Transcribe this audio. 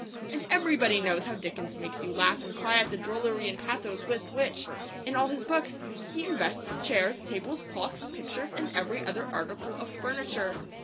And everybody knows how Dickens makes you laugh and cry at the drollery and pathos with which, in all his books, he invests chairs, tables, clocks, pictures, and every other article of furniture.